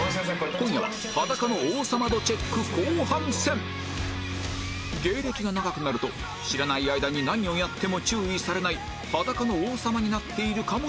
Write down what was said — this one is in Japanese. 今夜は芸歴が長くなると知らない間に何をやっても注意されない裸の王様になっているかもしれない